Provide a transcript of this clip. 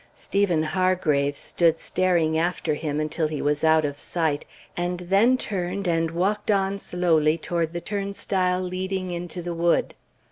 Stephen Hargraves stood staring after him until he was out of sight, and then turned, and walked on slowly toward the turnstile leading into the wood.